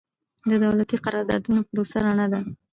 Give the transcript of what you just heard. د دولتي قراردادونو پروسه رڼه وي.